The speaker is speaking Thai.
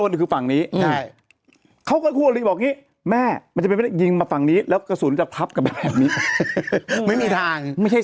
ยืนประจำหน้ายังงี้